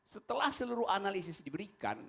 setelah seluruh analisis diberikan